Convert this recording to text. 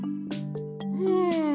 うん。